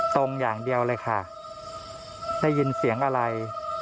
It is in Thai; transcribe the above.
อย่างเดียวเลยค่ะได้ยินเสียงอะไร